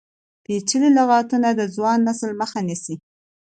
پیچلي لغتونه د ځوان نسل مخه نیسي.